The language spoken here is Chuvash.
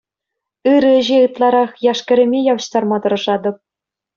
Ырӑ ӗҫе ытларах яш-кӗрӗме явӑҫтарма тӑрӑшатӑп.